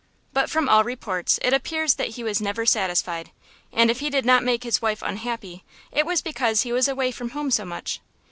But from all reports it appears that he was never satisfied, and if he did not make his wife unhappy it was because he was away from home so much.